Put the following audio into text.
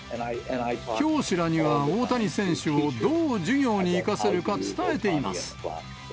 教師らには、大谷選手をどう授業に生かせるか伝えています。